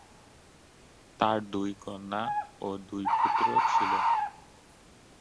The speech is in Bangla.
তার দুই কন্যা ও দুই পুত্র ছিল।